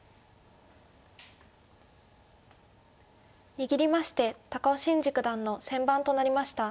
握りまして高尾紳路九段の先番となりました。